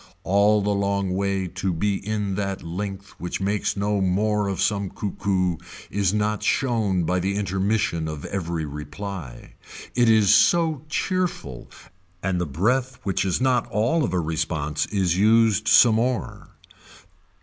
All the long way to be in that length which makes no more of some cuckoo is not shown by the intermission of every reply. It is so cheerful and the breath which is not all of a response is used some more.